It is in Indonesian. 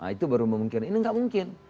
itu baru memungkinkan ini nggak mungkin